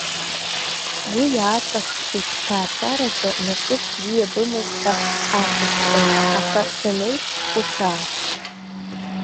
Сгәы иааҵаххит бҭаацәараҿы насыԥ бзиа бымаз ҳәа ацысҵарц, аха санеиԥхьхәыцаа.